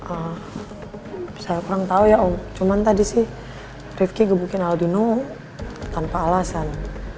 ehm saya kurang tahu ya om cuman tadi sih rivki gebukin aldino tanpa alasan